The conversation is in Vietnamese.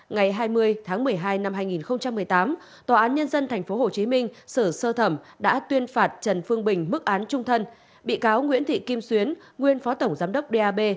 ngày hai mươi tháng một mươi hai năm hai nghìn một mươi tám tòa án nhân dân tp hcm sở sơ thẩm đã tuyên phạt trần phương bình mức án trung thân bị cáo nguyễn thị kim xuyến nguyên phó tổng giám đốc dap